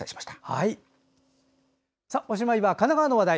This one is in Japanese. おしまいは神奈川の話題。